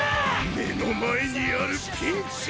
目の前にあるピンチを。